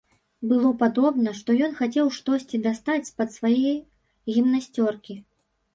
Было падобна, што ён хацеў штосьці дастаць з-пад свае гімнасцёркі.